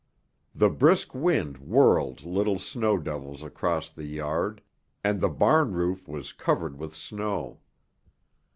The brisk wind whirled little snow devils across the yard and the barn roof was covered with snow.